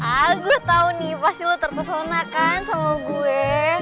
ah gua tahu nih pasti lo terpesona kan sama gue